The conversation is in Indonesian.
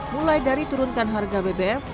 mulai dari turunkan harga bbm